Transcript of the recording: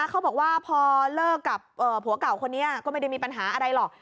เขาบอกว่าพอเลิกกับผัวเก่าคนนี้ก็ไม่ได้มีปัญหาอะไรหรอก